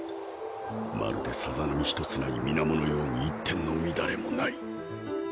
まるでさざ波１つない水面のように一点の乱れもない